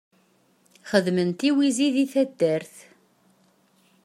Xedmen tiwizi di taddart